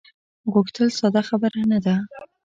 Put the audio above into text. غوښتل ساده خبره نه ده.